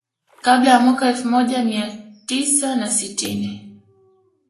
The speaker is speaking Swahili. Kabla ya mwaka elfu moja mia tisa na sitini